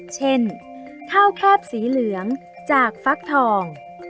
เช่นข้าวแคบสีเหลืองจากฟักทอง